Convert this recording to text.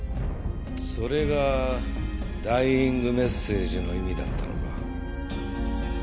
それがダイイングメッセージの意味だったのか。